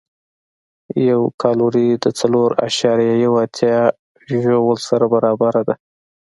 یوه کالوري د څلور اعشاریه یو اتیا ژول سره برابره ده.